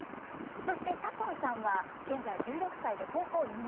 そして左近さんは現在１６歳で高校２年生。